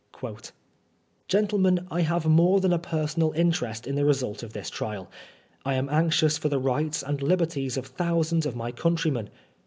" Gentlemen, I have more than a personal interest in the result of this trial I am anxious for the rights and liberties of thousands of my countrymen.